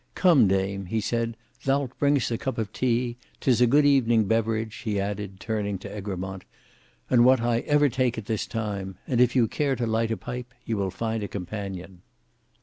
Come, dame," he said, "thou'lt bring us a cup of tea; 'tis a good evening beverage," he added, turning to Egremont. "and what I ever take at this time. And if you care to light a pipe, you will find a companion."